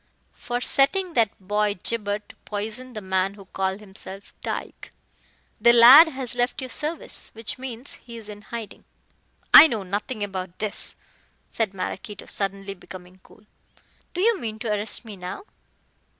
"For setting that boy Gibber to poison the man who called himself Tyke. The lad has left your service which means he is in hiding." "I know nothing about this," said Maraquito, suddenly becoming cool. "Do you mean to arrest me now?"